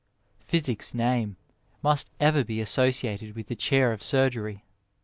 Physick's name must ever be associated with the chair of surg^y.